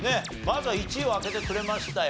まずは１位を当ててくれましたよ。